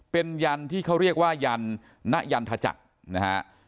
เป็นยันที่เขาเรียกว่ายันณยันทจักรนะฮะ